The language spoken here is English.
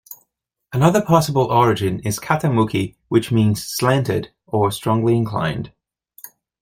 Another possible origin is "katamuki," which means "slanted" or "strongly-inclined.